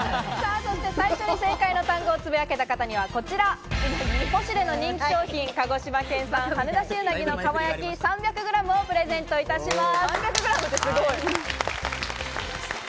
そして最初に正解の単語をつぶやけ方はこちら、ポシュレの人気商品「鹿児島産はねだし鰻の蒲焼３００ｇ」をプレゼントいたします。